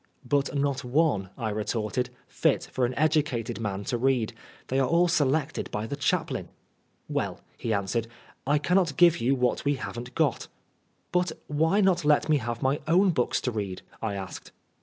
" But not one," I retorted, " fit for an educated man to read. They are all selected by the chaplain." "Well," he answered, "I cannot give you what we haven't got." " But why not let me have my own books to read ?" I asked.